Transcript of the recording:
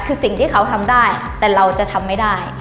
คือสิ่งที่เขาทำได้แต่เราจะทำไม่ได้